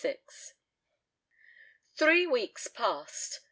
VI Three weeks passed.